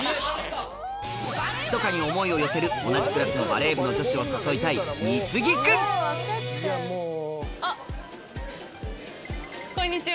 ひそかに思いを寄せる同じクラスのバレー部の女性を誘いたいあっこんにちは。